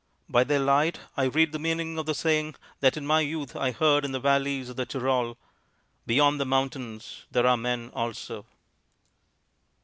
By their light I read the meaning of the saying that in my youth I heard in the valleys of the Tyrol, 'Beyond the mountains there are men also.'"